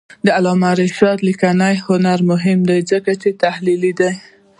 د علامه رشاد لیکنی هنر مهم دی ځکه چې تحلیلي دی.